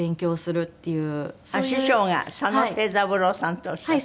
師匠が佐野成三郎さんっておっしゃる。